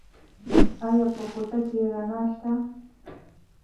ایا په کوټه کې رڼا شته؟